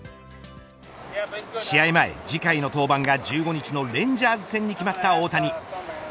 試合前、次回の登板が１５日のレンジャーズ戦に決まった大谷。